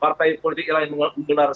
partai politik yang lain benar